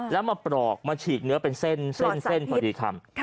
แล้วมาปรอกมาฉีกเนื้อเป็นเส้นพอดีคำ